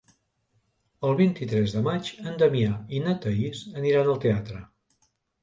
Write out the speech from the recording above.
El vint-i-tres de maig en Damià i na Thaís aniran al teatre.